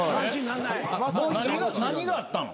何があったの？